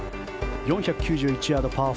４９１ヤード、パー